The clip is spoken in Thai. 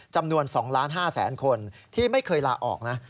จำนวน๒๕๐๐๐คนที่ไม่เคยลาออกนะ